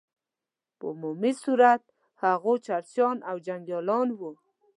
په عمومي صورت هغوی چرسیان او جنګیان وه.